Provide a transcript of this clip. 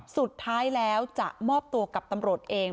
สุดท้ายแล้วจะมอบตัวกับตำรวจเอง